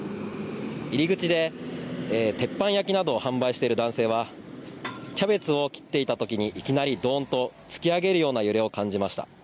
入り口で鉄板焼きなどを販売している男性はキャベツを切っていたときにいきなりドーンと突き上げるような揺れを感じました。